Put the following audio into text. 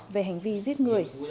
về hành vi giết người